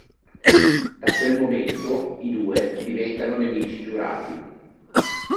Da quel momento, i due diventano nemici giurati.